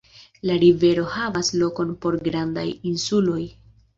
La rivero havas lokon por grandaj insuloj.